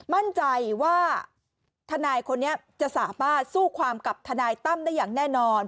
มั่นใจว่าทนายคนนี้จะสามารถสู้ความกับทนายตั้มได้อย่างแน่นอน